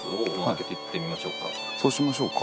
そうしましょうか。